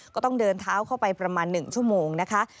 ก็ต้องเดินเท้าเข้าไปประมาณ๑ชั่วโมงนะคะ